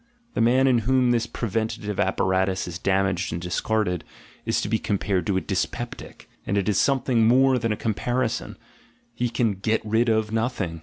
The man in whom this preventative apparatus is damaged and discarded, is to be compared to a dyspeptic, and it is something more than a comparison — he can "get rid of" nothing.